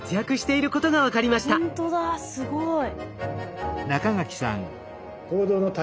すごい。